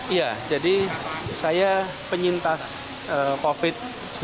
iya jadi saya penyintas covid sembilan belas